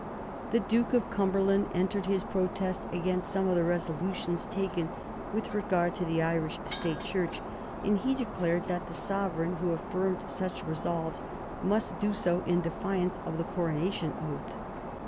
The Duke of Cumberland entered his protest against some of the resolutions taken with regard to the Irish State Church, and he declared that the sovereign who affirmed such resolves must do so in defiance of the coronation oath.